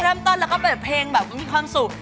เริ่มต้นแล้วก็เปิดเพลงแบบมีความสุข